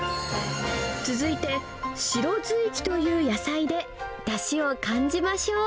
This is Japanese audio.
続いて、白ずいきという野菜でだしを感じましょう。